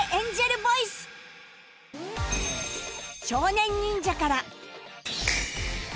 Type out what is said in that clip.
少年忍者から